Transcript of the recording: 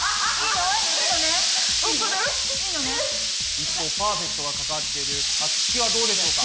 一方パーフェクトがかかってるさつきはどうでしょうか？